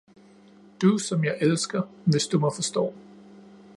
Du, som jeg elsker, hvis du mig forstår